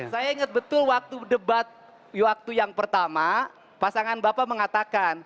saya ingat betul waktu debat waktu yang pertama pasangan bapak mengatakan